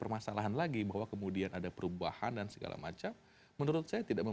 malah kemudian tidak